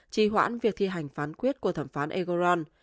trì hoãn việc thi hành phán quyết của thẩm phán egorn